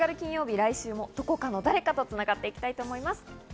来週もどこかの誰かとつながっていきたいと思います。